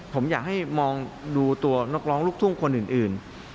ผมอยากให้มองดูตัวนักร้องลูกทุ่งคนอื่น